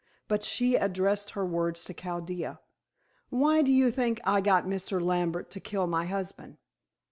But she addressed her words to Chaldea. "Why do you think I got Mr. Lambert to kill my husband?"